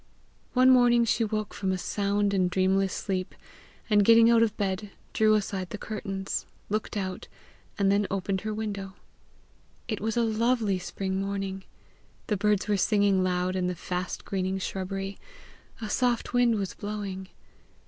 One morning she woke from a sound and dreamless sleep, and getting out of bed, drew aside the curtains, looked out, and then opened her window. It was a lovely spring morning. The birds were singing loud in the fast greening shrubbery. A soft wind was blowing.